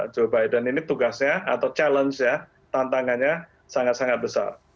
joe biden ini tugasnya atau tantangannya sangat sangat besar